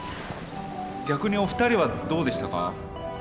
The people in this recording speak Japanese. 逆にお二人はどうでしたか？